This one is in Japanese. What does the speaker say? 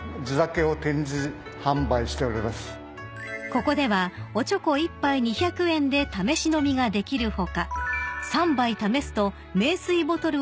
［ここではおちょこ１杯２００円で試し飲みができる他］